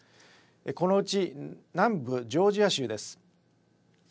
このうち南部ジョージア州です。